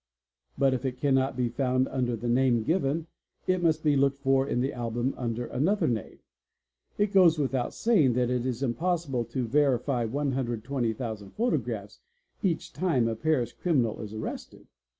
But if it cannot be found under the name given, it must be looked for in the album under another name. It goes without saying that it is impossible to verify 120,000 photographs each time a Paris criminal is arrested.